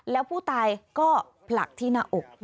แล้วผู้ตายก็ผลักที่หน้าอก